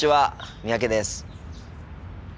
三宅です。